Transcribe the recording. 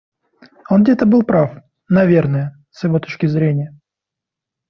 Он где-то был прав, наверное, с его точки зрения.